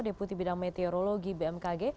deputi bidang meteorologi bmkg